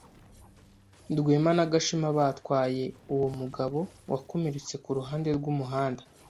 Rwema na Gashema batwaye uwo mugabo wakomeretse ku ruhande rw'umuhanda.